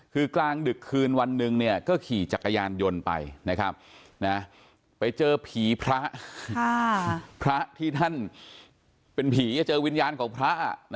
คือกลางดึกคืนวันหนึ่งเนี่ยก็ขี่จักรยานยนต์ไปนะครับไปเจอผีพระพระที่ท่านเป็นผีเจอวิญญาณของพระ